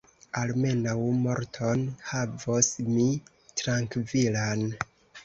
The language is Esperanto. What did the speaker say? Almenaŭ morton havos mi trankvilan.